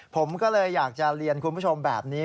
ผมก็เลยอยากจะเรียนคุณผู้ชมแบบนี้